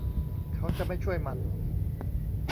เขาจะไม่ช่วยมัน